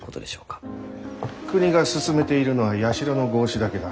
国が進めているのは社の合祀だけだ。